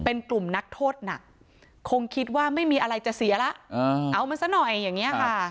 เป็นกลุ่มนักโทษหนักคงคิดว่าไม่มีอะไรจะเสียแล้วเอามันซะหน่อยอย่างนี้ค่ะ